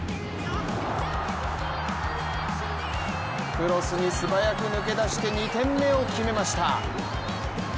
クロスに素早く抜け出して２点目を決めました。